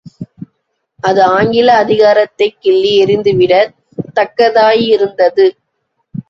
அது ஆங்கில அதிகாரத்தைக் கிள்ளி எறிந்துவிடத் தக்கதாயிருந்ததது.